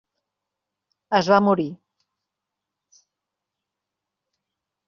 Es va morir.